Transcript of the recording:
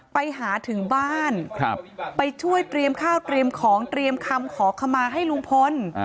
ไปหาถึงบ้านไปช่วยเตรียมข้าวเตรียมของเตรียมคำขอขมาให้ลุงพล